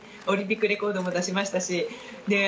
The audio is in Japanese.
オリンピックレコードも出しましたし。